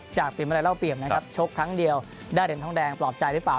จากปีเมื่อไรเล่าเปรียบนะครับโชคครั้งเดียวได้เห็นท่องแดงปลอบใจหรือเปล่า